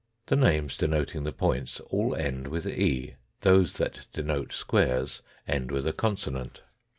The names denoting the points all end with e. Those that denote squares end with a consonant.